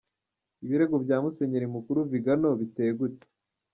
Ibirego bya Musenyeri mukuru Vigano biteye gute?.